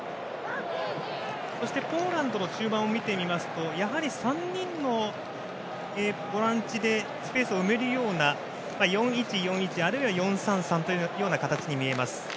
そして、ポーランドの中盤を見てみますとやはり３人のボランチでスペースを埋めるような４−１−４−１、あるいは４−３−３という形に見えます。